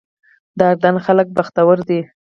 د اردن خلک بختور دي.